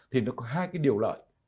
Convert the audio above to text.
thì nó có hai cái điều lợi